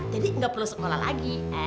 jadi gak perlu sekolah lagi